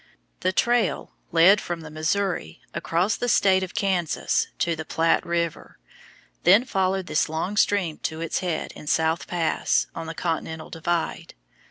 The trail led from the Missouri across the state of Kansas to the Platte River, then followed this long stream to its head at South Pass on the continental divide.